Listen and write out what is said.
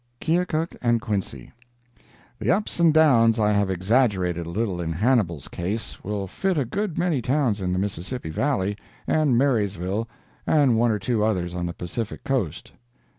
KEOKUK AND QUINCY The ups and downs I have exaggerated a little in Hannibal's case will fit a good many towns in the Mississippi Valley, and Marysville and one or two others on the Pacific Coast.